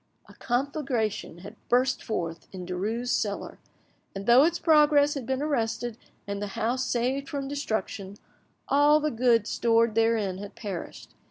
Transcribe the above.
A conflagration had burst forth in Derues' cellar, and though its progress had been arrested and the house saved from destruction, all the goods stored therein had perished.